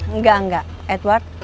enggak enggak edward